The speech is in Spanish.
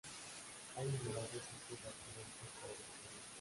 Hay numerosos sitios arqueológicos por descubrir.